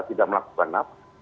tidak melakukan apa